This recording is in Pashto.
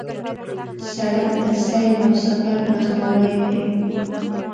سړک د سیل او سفر نښلوی دی.